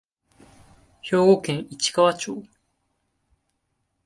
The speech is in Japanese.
兵庫県市川町